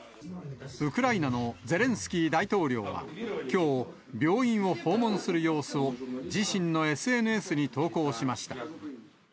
ウクライナのゼレンスキー大統領はきょう、病院を訪問する様子を、自身のＳＮＳに投稿しました。